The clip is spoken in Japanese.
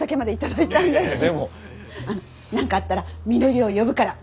あの何かあったらみのりを呼ぶから。